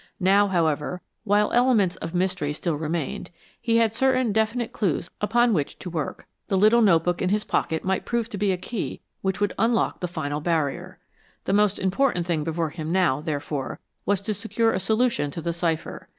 Now, however, while elements of mystery still remained, he had certain definite clues upon which to work. The little notebook in his pocket might prove to be a key that would unlock the final barrier. The most important thing before him now, therefore, was to secure a solution to the cipher.